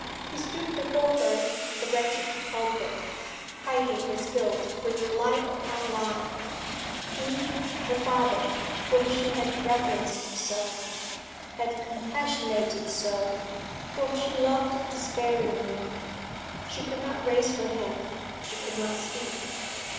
He stood before her a wretched culprit, hiding his guilt with lie upon lie; he, her father, whom she had reverenced so, had compassionated so, whom she loved despairingly. She could not raise her head; she could not speak.